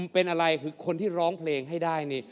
เป็นอะไรคือคนที่ร้องเพลงให้ได้นี่